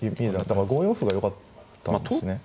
５四歩がよかったんですね。